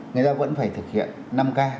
người ta vẫn phải thực hiện năm k